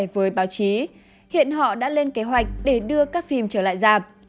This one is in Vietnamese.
với báo chí hiện họ đã lên kế hoạch để đưa các phim trở lại dạp